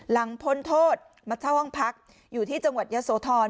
พ้นโทษมาเช่าห้องพักอยู่ที่จังหวัดยะโสธร